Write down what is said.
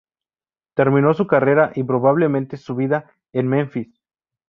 Terminó su carrera y, probablemente su vida, en Menfis.